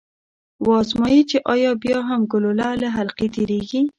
و ازمايئ چې ایا بیا هم ګلوله له حلقې تیریږي؟